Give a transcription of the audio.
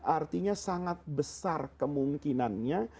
artinya sangat besar kemungkinannya